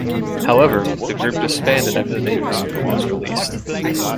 However, the group disbanded after the debut single was released.